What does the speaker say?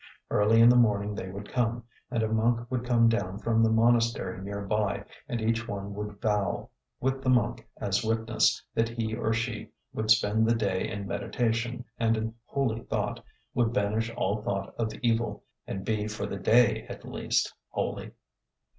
Early in the morning they would come, and a monk would come down from the monastery near by, and each one would vow, with the monk as witness, that he or she would spend the day in meditation and in holy thought, would banish all thought of evil, and be for the day at least holy.